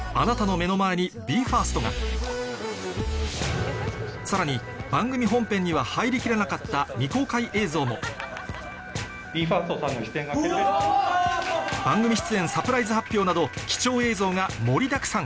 目の前にＢＥ：ＦＩＲＳＴがさらに番組本編には入り切らなかった未公開映像も番組出演サプライズ発表など貴重映像が盛りだくさん